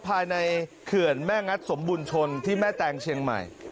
เขื่อนแม่งัดสมบุญชนที่แม่แตงเชียงใหม่